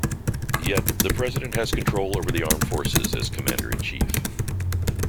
Yet, the President has control over the Armed Forces as Commander-in-Chief.